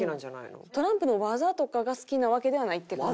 トランプの技とかが好きなわけではないって感じ。